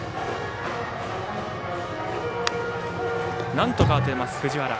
なんとか当てます藤原。